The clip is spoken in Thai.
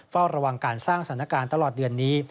เฝ้าระวังการสร้างสถานการณ์ตลอดเดือนนี้